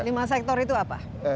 lima sektor itu apa